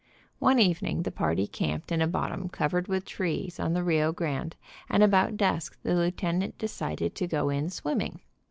One evening the party camped in a bottom covered with trees on the Rio Grande, and about dusk the lieutenant decided to go in swim ming.